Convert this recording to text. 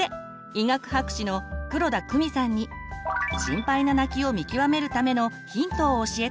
医学博士の黒田公美さんに心配な泣きを見極めるためのヒントを教えてもらいました。